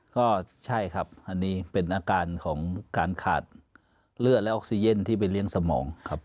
ก็ใช่ครับอันนี้เป็นอาการของการขาดเลือดและออกซิเจนที่ไปเลี้ยงสมองครับ